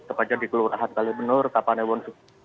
sepatnya di kelurahan kalimantan yogyakarta